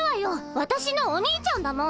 わたしのお兄ちゃんだもん。